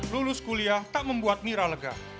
lulus kuliah tak membuat mira lega